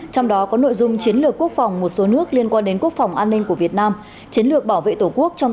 trong đó có nội dung chiến lược quốc phòng